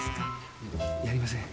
やりません。